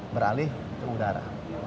beralih ke udara